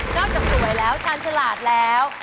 จากสวยแล้วชาญฉลาดแล้ว